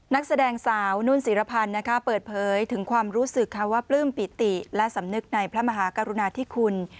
นักแสดงสาวนุ่นศิรพันธ์นะคะเปิดเผยถึงความรู้สึกค่ะว่าปลื้มปิติและสำนึกในพระมหากรุณาธิคุณ